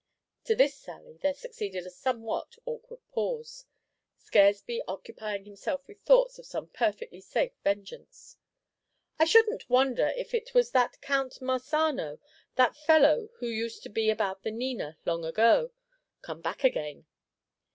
To this sally there succeeded a somewhat awkward pause, Scaresby occupying himself with thoughts of some perfectly safe vengeance. "I shouldn't wonder if it was that Count Marsano that fellow who used to be about the Nina long ago come back again.